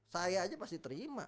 saya aja pasti terima